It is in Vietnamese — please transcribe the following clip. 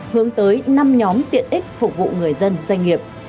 hướng tới năm nhóm tiện ích phục vụ người dân doanh nghiệp